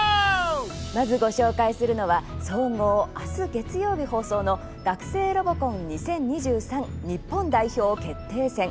まずご紹介するのは総合、明日月曜日放送の「学生ロボコン２０２３日本代表決定戦」。